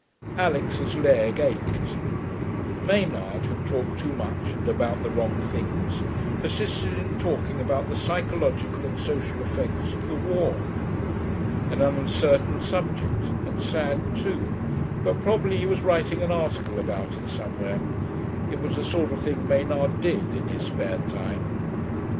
Alix's leg ached. Maynard, who talked too much and about the wrong things, persisted in talking about the psychological and social effects of the war. An uncertain subject, and sad, too; but probably he was writing an article about it somewhere; it was the sort of thing Maynard did, in his spare time.